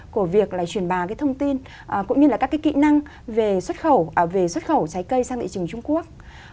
của việc là truyền bà cái thông tin cũng như là các cái kỹ năng về xuất khẩu trái cây sang thị trường trung quốc